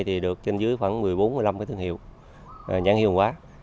một trăm bốn mươi năm thương hiệu nhãn hiệu quả